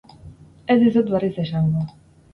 Ez dizut berriz esango.